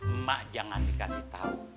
emak jangan dikasih tahu